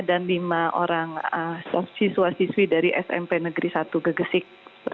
lima orang siswa siswi dari smp negeri satu gegesik